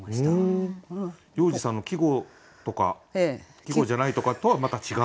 要次さんの「季語とか季語じゃないとか」とはまた違う？